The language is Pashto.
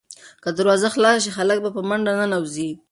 که دروازه خلاصه شي، هلک به په منډه ننوځي.